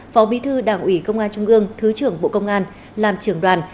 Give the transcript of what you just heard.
phó bí thư đảng ủy công an trung ương thứ trưởng bộ công an làm trưởng đoàn